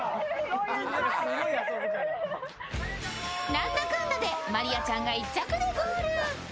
なんだかんだで真莉愛ちゃんが１着でゴール。